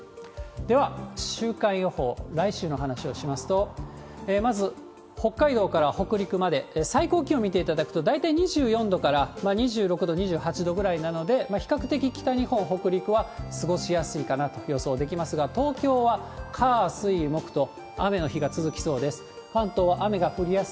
では週間予報、来週の話をしますと、まず北海道から北陸まで最高気温見ていただくと、大体２４度から２６度、２８度ぐらいなので、比較的北日本、北陸は過ごしやすいかなと予想できますが、東京は火、水、木と雨の日が続きそうです。